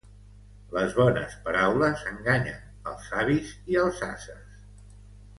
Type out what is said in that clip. Les bones paraules enganyen els savis i els ases.